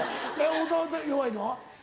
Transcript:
太田は弱いのは？